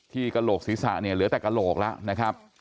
กระโหลกศีรษะเนี่ยเหลือแต่กระโหลกแล้วนะครับ